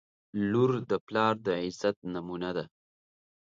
• لور د پلار د عزت نمونه ده.